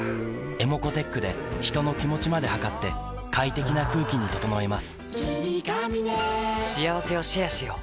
ｅｍｏｃｏーｔｅｃｈで人の気持ちまで測って快適な空気に整えます